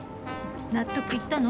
納得いったの？